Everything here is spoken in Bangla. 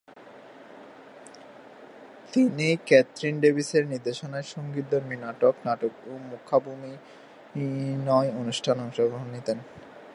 তিনি ক্যাথরিন ডেভিসের নির্দেশনায় সঙ্গীতধর্মী নাটক, নাটক, ও মূকাভিনয় অনুষ্ঠানে অংশ নিতেন।